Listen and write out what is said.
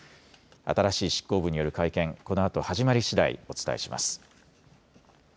新しい執行部による会見、このあと始まりしだい、お伝えします。